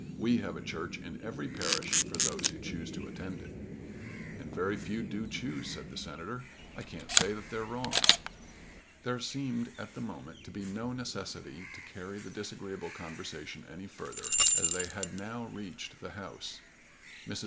"We have a church in every parish for those who choose to attend it." "And very few do choose," said the Senator. "I can't say that they're wrong." There seemed at the moment to be no necessity to carry the disagreeable conversation any further as they had now reached the house. Mrs.